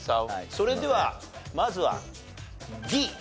それではまずはＤ。